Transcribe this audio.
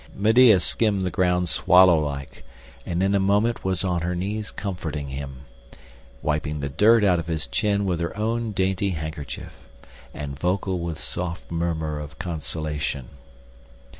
Medea skimmed the ground swallow like, and in a moment was on her knees comforting him, wiping the dirt out of his chin with her own dainty handkerchief, and vocal with soft murmur of consolation.